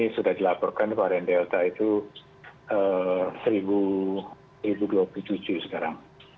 sudah dilaporkan varian delta itu seribu dua puluh tujuh sekarang